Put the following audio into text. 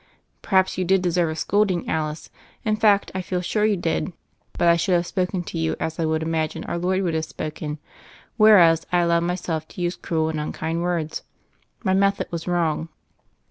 "Perhaps you did deserve a scolding, Alice: in fact, I feel sure you did. But I should have spoken to you as I would imagine Our Lord would have spoken; whereas I allowed myself to use cruel and unkind words. My method was wrong."